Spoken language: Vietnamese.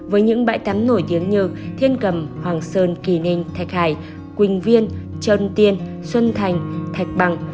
với những bãi tắm nổi tiếng như thiên cầm hoàng sơn kỳ ninh thạch hải quỳnh viên trơn tiên xuân thành thạch bằng